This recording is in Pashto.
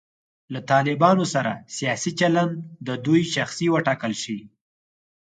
له طالبانو سره سیاسي چلند د دوی شاخصې وټاکل شي.